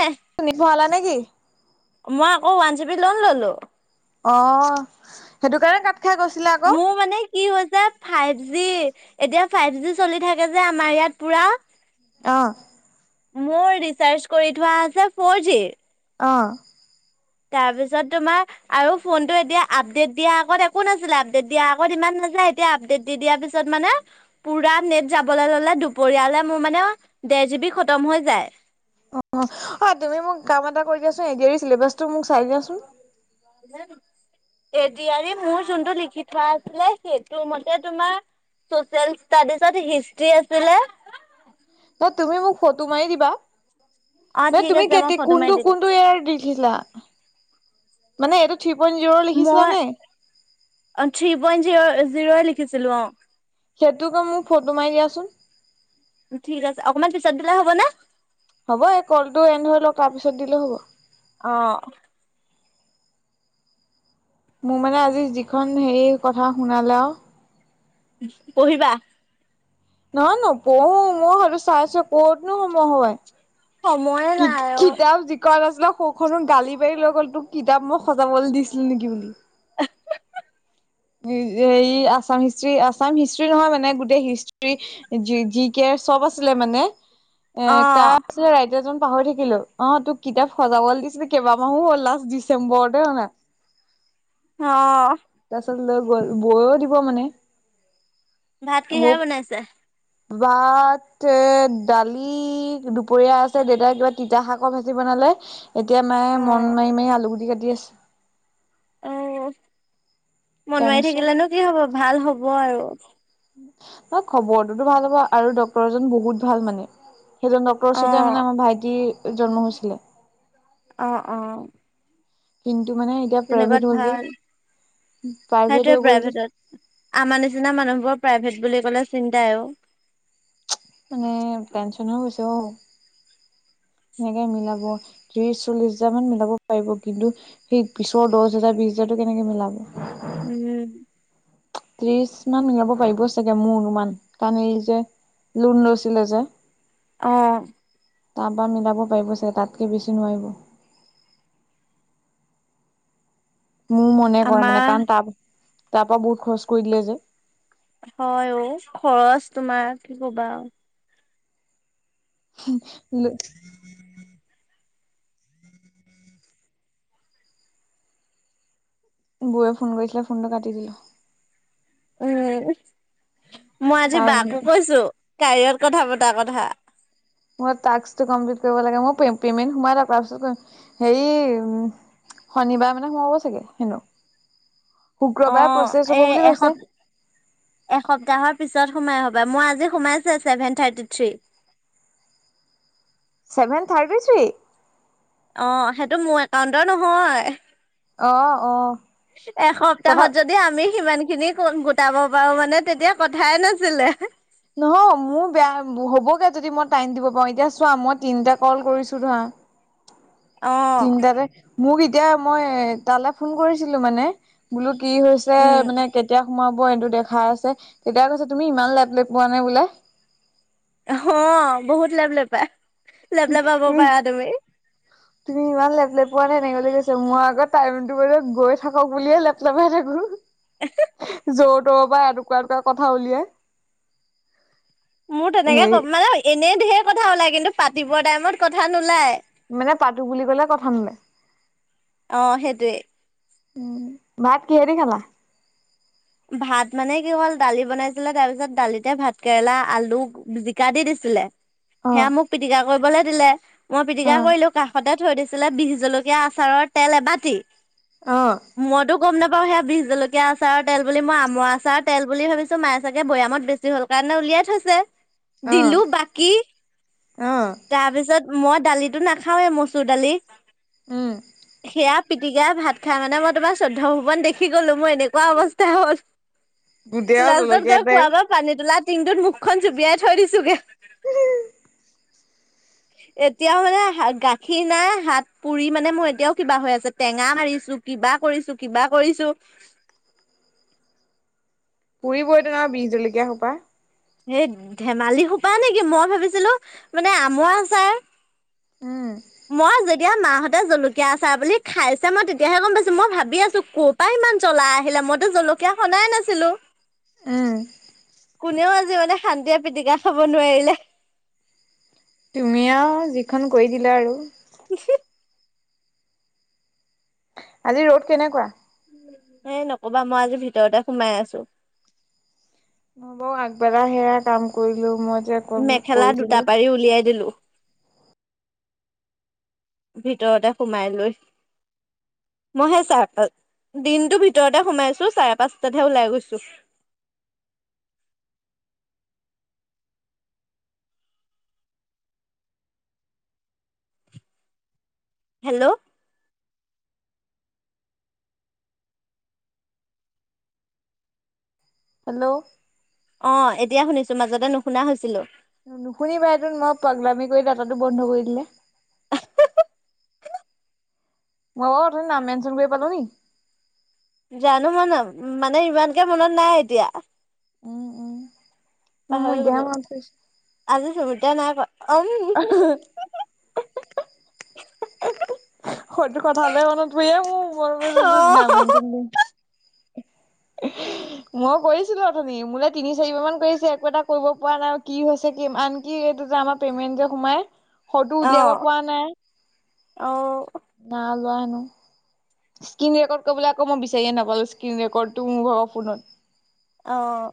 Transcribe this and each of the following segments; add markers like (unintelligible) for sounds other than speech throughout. এ শুনি ভালা নে কি (unintelligible) মই আকৌ ৱান জি বি লোন ললো অ সেইটো কাৰণে কাট খাই গৈছিলে আকৌ। মোৰ মানে কি হৈছে ফাইভ জি এতিয়া ফাইভ জি চলি থাকে যে আমাৰ ইয়াত পুৰা আহ মোৰ ৰিচাৰজ কৰি থোৱা আছে ফৰ জি অঁ তাৰপিছত তোমাৰ আৰু ফোনটো এতিয়া আপডেট দিয়া আগত একো নাছিলে আপডেট দিয়া আগত ইমান এতিয়া আপডেট দি দিয়াৰ পিছত মানে পুৰা নেট যাবলে ললে দুপৰয়লে মোৰ মানে দেৰ জি বি খতম হৈ যায় অ অ তুমি মোক কাম এটা কৰি দিয়াচোনবাচটো মোক চাই দিয়াচোন নে এডিয়াৰী মোৰ যোনটো লিখি থোৱা আছিলে সেইটো মতে তোমাৰ চচিয়েল তাৰ চত হিষ্ট্ৰি আছিলে ন তুমি মোক ফটো মাৰি দিবা অ নাই ঠিক তুমি আছে মই কেতি ফটো মাৰি কুনটো দি দিম কুনটো এৰ দেখিছিলা মানে এইটো থ্ৰী পইণ্ট জিৰ' লিখিছিলা মই নে? থ্ৰী পইন্ট জিৰ' জিৰ' লিখিছিলো অ সেইটোকে মোক ফটো মাৰি দিয়াচোন ঠিক আছে অকমান পিছত দিলে হ'ব ন হ'ব এই কলটো এনেৰি লওক তাৰপিছত দিলে হ'ব অ মোৰ মানে আজি যিখন হেৰি কথা শুনালে আৰু কহিবা নহয় ন পঢ়ো মই স চাইছো পঢ়তনো সময় হয় সময়ে নাই অ কিতাপ যিকত আছে তাক সৌখনো গালি পাৰি লৈ গ'ল তোক কিতাপ মই সজাবলৈ দিছিল নেকি বুলি এই আাম হিষ্টি আছাম হিষ্ট্ৰ্ৰী নহয় মানে গোটেই হিষ্টি যি কে ম অ পাহৰি থাকিলো অ তোক কিতাপ সজাবলৈ দিছিলো কেইবামাহো হ'ল লাষ্ট ডিচেম্বৰতে হনা অ তাৰ পাছত লৈ গল বৈও দিব মানে ভাত কিহে বনাইছে বাত এ দালি দুপৰীয়া আছে দেউতা কিবা তিতা শাকৰ ভাচি বন ল এতিয়া মায়ে অ মন মাৰি মাৰি আলু গুটি কাটি আছে অ মন মাৰি টেনচন থাকিলোনো কি হব ভাল হ'ব আৰু ন খবৰটোতো ভাল হ'ব আৰু ডক্তৰজন বহুত ভাল মানে সেইজন ডক্তৰ অ ওচৰতে মানে আমাৰ ভাইটিৰ জন্ম হৈছিলে অ অ কিন্তু মানে এতিয়া প্ৰাইভেট হ'ল যে প্ৰাইভেট সেইটোয়ে হৈ গ'ল যে প্ৰাইভেটত আমাৰ নিচিনা মানুহবোৰৰ প্ৰাইভেট বুলি ক'লে চিন্তাইও মানে টেনচন হৈছে অ সেনেকে মিলাব ত্ৰিশ চল্লিশ হাজাৰ মান মিলাব পাৰিব কিন্তু সেই পিছৰ দহ হোজাৰ বিশ পিছৰটো কেনেকে মিলাব উম ত্ৰিশ মান মিলাব পাৰিব চাগে মোৰ অনুমান কাৰণ এই যে লোন লৈছিলে যে আহ তাৰপৰা মিলাব পাৰিব চ তাতকে বেছি নোৱাৰিব মোৰ মনে কয় মানে আমাৰ কাৰণ তাৰ তাৰ পৰা বহুত খৰচ কৰি দিলে যে হয় অ খৰচ তোমাৰ কি কবা আৰু উম বৌৱে ফোন কৰিছিলে ফোনটো কাটি দিলো। উম মই আজি কাৰণ বাকো কৈছো কাইয়ত কথা পতা কথা মই টাস্কটো কমপ্লিট কৰিব লাগে। প্ৰেমেণ্ট সোমালে পাচবুকত। হেৰি শনিবাৰ মানে সোমাব চাগে হেনো অ শুক্ৰবাৰে প্ৰচেছ এ হ'ব বুলি এস কৈছে এসপ্তাহৰ পিছত সোমাই হ'বা মই আজি সোমাইছে seven thirty three seven thirty three অ সেইটো মোৰ একাউণ্টৰ নহয় অ অ তথা এসপ্তাহত যদি আমি সিমান খিনি গোটাব পাৰো মানে তেতিয়া কথাই নাছিলে নহয় মোৰ বেয়া হ'বগে যদি মই টাইম দিব পাৰো এতিয়া চোৱা মই তিনিটা কল কৰিছো ধৰা অ'। তিনিটাতে মোক এতিয়া মই তালৈ ফোন কৰিছিলো মানে বোলোত কি হৈছে উম, মানে কেতিয়া সোমাব এইটো দেখাই আছে তেতিয়া কৈছে তুমি ইমান লেট ল পোৱা নে বোলে অ বহুত লেভ ল পাই লেভ লাপাব পাৰা তুমি তুমি ইমান লেপ লেপোৱা নে এনেকে বুলি কৈছে। মই আকৌ টাইমটো ব গৈ থাকক বুলিয়ে লেপ লেপাই থাকো। জৰ তৰ পৰা এটুকুা এটুকুৰা কথা উলিয়াই মোৰ তেনেকে হেৰি ক'ম মানে এনেই ধহেৰ কথা ওলাই কিন্তু পাতিবৰ টাইমত কথা নোলায়। মানে পাতো বুলি কলে কথা নোলায়। অ সেইটোৱে উম ভাত কিহেদি খালা? ভাত মানে কি হ'ল দালি বনাইছিলে তাৰ পিছত দালিতে ভাত কেৰেলা আলু, জিকা দি দিছিল ছিলে অ', সেয়া মোক পিটকা কৰিবলৈ দিলে মই পিটকা অ', কৰিলো কাষতে থৈ দিছিলো। ছিলে বি জলকীয়া আচাৰৰ তেল এবাটি অঁ গম নাপাও সেয়া বি জলকীয়া আচাৰত তেল বুলি মই আমৰ আচাৰ তেল বুলি ভাবিছো। মায়ে চাগে বৈয়ামত বেছি হল কাৰণে উলিয়াই থৈছে। অ', দিলো বাকী অ', তাৰপিছত মই দালিটো নাখাওৱে মচুৰ দালি উম, সেয়া পিটিকাই ভাত খাই মানে মই তোমাৰ চৈধ্য ভৱন দেখি গলো মই এনেকুৱা অৱস্থা গোটেই আৰু লাষ্টত জলকীয়া গৈ তেল খোৱা পানী তাত টিংটোত মুখখন জুপিয়াই থৈ দিছোগে এতিয়া হলে গাখীৰ নাই হাত পুৰি মানে মোৰ এতিয়াও কিবা হৈ আছে টেঙা মাৰিছো কিবা কৰিছো, কিবা কৰিছো। পুৰিবই টুন আৰু বি জলকীয়া সোপা এই ধেমালি সোপা নেকি মই ভাবিছিলো মানে আমৰা আচাৰ উম, মই যে এতিয়া মাহঁতে জলকীয়া আচাৰ বুলি খাইছে মই তেতিয়াহে গম পাইছো মই ভাবি আছো ক' পৰা ইমান জলা আহিলে। মইতো জলকীয়া সনাই নাছিলো। আহ কোনেও আজি মানে শান্তিয়ে পিটিকা খাব নোৱাৰিলে। তুমি আৰু যিখন কৰি দিলা আৰু ক আজি ৰ'দ কেনেকুৱা? এই নকবা মই আজি ভিতৰতে সোমাই আছো। অ আগবেলা সেয়া কাম কৰিলো মই যে মেখেলা দুটা কৰিছিলো। পাৰি উলিয়াই দিলো ভিতৰতে সোমাই লৈ। মইহে ছাৰ্ট দিনটোৰ ভিতৰতে সোমাইছো চাৰে পাঁচটাতহে ওলাই গৈছো। (inaudible) হেল্ল' হেল্ল' অ এতিয়া শুনিছো মাজতে নুশুনা হৈছিলোঁ নুশুনিবা এইদোন মই পাগলামি কৰি থকাটো বন্ধ কৰি দিলে। মই অ অথনি নাম মেনচন কৰিব পালো নি জানো মানে মানে ইমানকে মনত নাই এতিয়া উম উম মোৰ পাহৰি এতিয়াহে গলো মনত পৰিছে। আজি চুমতিয়া নাই কৰা অহ (unintelligible) সটো কথালে মনত পৰিয়ে অ অ মোৰ নাম মেনচন (inaudible) মই কৰিছিলো অথনি মোলে তিনি চাৰিবাৰ মান কৰিছে একো এটা কৰিব পৰা নাই কি হৈছে কি আন কি যে আমাৰ পেমেন্ট যে সোমাই হয়টো উলিয়াব পৰা নাই অ ন ওলোৱা সেনো স্কিণ ৰেকৰ্ড কৰিবলে আকৌ মই বিচাৰিয়ে নাপালো স্কিণ ৰেকৰ্ডটো মোৰ ভাগৰ ফোনত অহ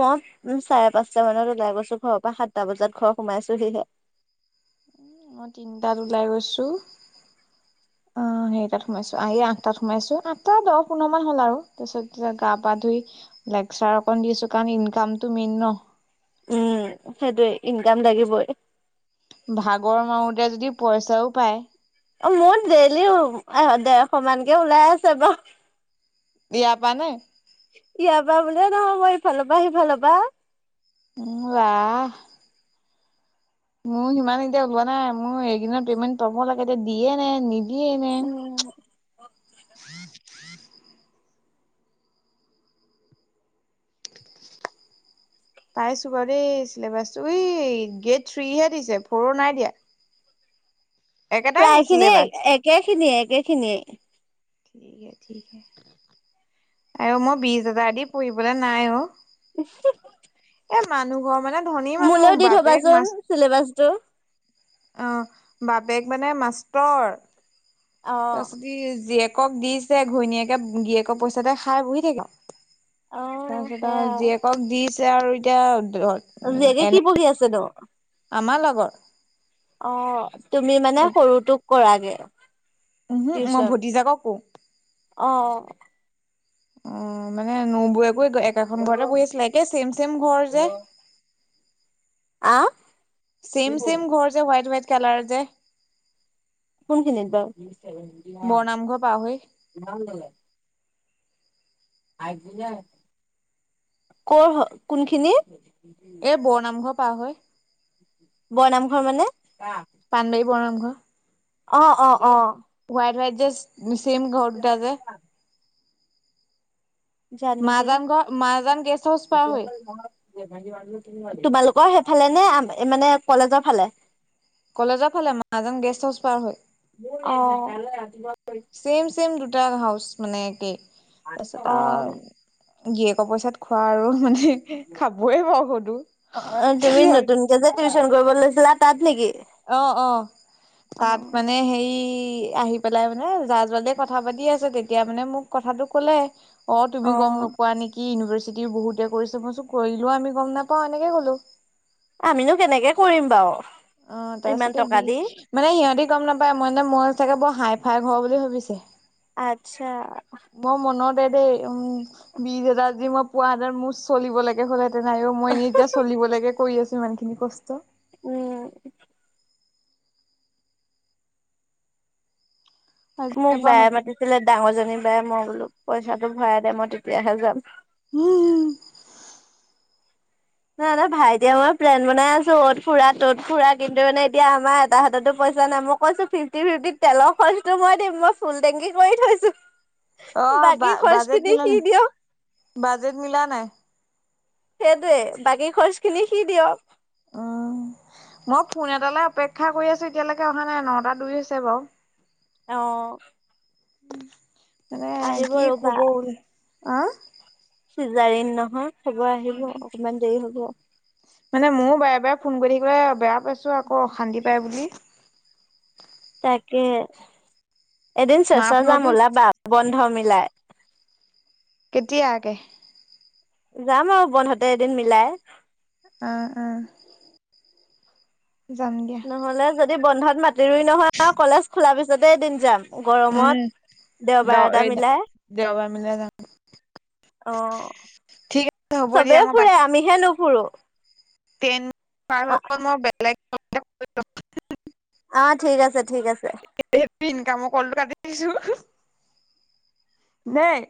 মই উ চাৰে পাঁচটা মানত ওলাই গৈছো ঘৰৰ পৰা সাতটা বজাত ঘৰ সোমাইছোহিহে (inaudible) মই তিনটাত ওলাই গৈছো (inaudible) অ সেই তাত সোমাইছো আহি আঠটাত সোমাইছো আঠটা দহ পোন্ধৰ মান হ'ল আৰু তাৰ পিছত গা পা ধুই লেকচাৰ অকণ দিছো কাৰণ ইনকামতটো মেইন ন উম সেইটোৱে ইনকাম লাগিবই ভাগৰ মাৰোতে যদি পইচাও পায় অ মোৰ ডেইলিও এ দেৰশ মানকে ওলাই আছে বাঅ দিয়াপা নে দিয়াপা বুলিয়ে নহয় ইফালৰপৰ, সিফালৰ পৰা অ ৱা মোৰ সিমান এতিয়া ওলোৱা নাই মোৰ এদিনৰ পেমেণ্ট পাব লাগে এতিয়া দিয়ে নে নি নিদিয়ে নে উম পাইছো বাৰু দেই চিলেবাচটো গেট থ্ৰীহে দিছে ফ'ৰৰ নাই দিয়া একেটাই নি প্ৰায় খিনিয়ে চিলেবাছ একে খিনিয়ে একে খিনিয়ে ঠিকহে ঠিকহে আৰু মই বিশ হাজাৰ দি পঢ়িবলে নাই অ উহোহো এ মানুহ ঘৰমানে ধনী মানুহ বাপেক থবাচোন মাছ চিলেবাচটো। অ বাপেক মানে মাষ্টৰ অ', তাৰপিছত জীয়েকক দিছে ঘৈণীয়েকে গিৰীয়েকৰ পইচাতে খাই বহি থাকে অ', তাৰপিছত সেয়া। আৰু জীয়েকক দিছে আৰু এতিয়া উ জীয়েকে কি এনে পঢ়ি আছেনো? আমাৰ লগৰ অ তুমি মানে সৰুটোক কৰাগে উহো মই টিউচন ভতিজাকক কওঁ অ অ মানে নবৈ একেখন ঘৰতে বহি আছিলে একে ছেম ছেম ঘৰ যে আহ চেইম চেইম ঘৰ যে হোইট হোইট কালাৰ যে কোন খিনিত বৰনামঘৰ পাৰ হৈ বাৱ কৰ হয় কোনখিনি এ বৰ নামঘৰ পাৰ হৈ বৰনামঘৰ মানে পান বাই পোৱা নামক অ অ অ সোৱাইট সোৱাইট যে চেম ঘৰ দুটা যে জানো দেই। মাজান ঘৰ মাজান গেষ্ট হাউচ পোৱা হয়। তোমালোকৰ সেইফালে নে মানে কলেজৰ ফালে কলেজৰ ফালে মাহাজন গেষ্ট হাউচ পাৰ হয়। অহ চেম দুটা হাউচ মানে কেই তাৰপিছত অ'। আৰু। গিৰিয়েকৰ পইচাত খোৱা আৰু মানে খাবয়েই বা অ', তুমি হ'লেও নতুনকে যে টিউচন কৰিব লৈছিলা তাত নেকি? অ অ তাত অ'। মানে হে আহি পেলাই মানে জা- জোৱালিয়ে কথা পাতি আছে তেতিয়া মানে মোক কথাটো কলে অ তুমি গম অ'। নোপোৱা নেকি ইউনিভাৰ্চি চিতি বহুতে কৰি চাবা কৰিলেও আমি গম নাপাওঁ এনেকে ক'লো। আমিনো কেনেকে কৰিম বাৰু। অ ইমান তাৰপিছতে টকা বি দি মানে সিহঁতে গম নাপায় মই মই চাগে বৰ হাই। ঘাই ঘৰ বুলি ভাবিছে আচ্ছা। মই মনতে দেই উম বীজ এটাৰ যি মই পোৱা হ'লে মোৰ চলিব লাগে হ'ল হেতেন নাইও মই এনেই এতিয়া চলিব লাগে কৰি আছো ইমান খিনি কষ্ট। উম! আজিৰ মোক পৰা বায়ে নকৰো। মাতিছিলে ডাঙৰ জনী বায়ে মই বোলো পইচাটো ভৰাই দে মই তেতিয়াহে যাম। উম! নাই নাই ভাইটিয়ে মই প্লেন বনাই আছো ত ফুৰা ত'ত ফুৰা কিন্তু মানে এতিয়া আমাৰ এটা হাততো পই পইছা নাই মই কৈছোঁ ফিফটি ফিফটিত তেলৰ খৰচটো মই দিম মই ফুল টেঙগি কৰি থৈছোঁ। অ বাজেট মিলা নাই, বাজেট মিলা নাই। সেইটোৱে বাকী খৰচ খিনি সি দিয়ক। উম, মই ফোন এটালৈ অপেক্ষা কৰি আছোঁ এতিয়ালৈকে অহা নাই নটা দুই হৈছে বাৰু। আহ মানে কি ৰ'বা খবৰ, আহ চিজাৰিন নহয়, খবৰ আহিব অকমান দেৰি হব। মানে মইয়ো বাৰে বাৰে ফোন কৰি থাকিবে বেয়া পাইছো আকৌ অশান্তি পাই বুলি। তাকে এদিন মা চেচা যাম ফোনতো ওলাবা বন্ধ মিলাই। কেতিয়াকে। যাম আৰু বন্ধতে এদিন মিলাই। আহ অ যাম দিয়া। নহ'লে যদি বন্ধত মাতিবি নহয় কলেজ খোলাৰ পিছতে এদিন যাম গৰমত। উম, দ দেওবাৰ এটা এ মিলাই দেওবাৰ মিলাই যাম। অ ঠিক আছে হ'ব চবেই ফুৰে আমিহে নুফুৰোঁ। তে ত লগত মই বেলেগ অ ঠিক আছে ঠিক আছে স ইনকামৰ কলটো কাটি দিছোঁ। দেই।